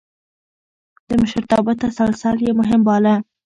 د مشرتابه تسلسل يې مهم باله.